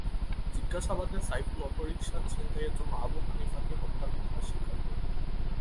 জিজ্ঞাসাবাদে সাইফুল অটোরিকশা ছিনতাইয়ের জন্য আবু হানিফাকে হত্যার কথা স্বীকার করেন।